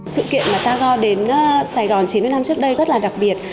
sự kiện mà tagore đến sài gòn chín mươi năm trước đây rất là đặc biệt